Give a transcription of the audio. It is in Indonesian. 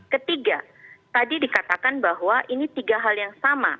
ketiga tadi dikatakan bahwa ini tiga hal yang sama